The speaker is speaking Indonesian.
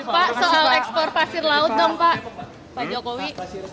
pak soal ekspor pasir laut dong pak jokowi